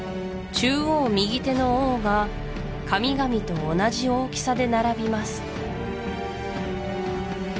中央右手の王が神々と同じ大きさで並びます